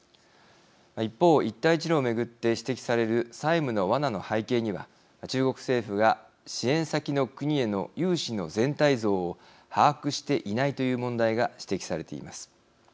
一方、一帯一路を巡って指摘される債務のワナの背景には中国政府が支援先の国への融資の全体像を把握していないという問題が指摘されています。